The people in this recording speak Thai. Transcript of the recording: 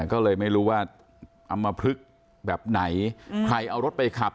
ก็เลยไม่รู้ว่าอำมพลึกแบบไหนใครเอารถไปขับ